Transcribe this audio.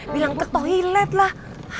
bilang ke toilet lah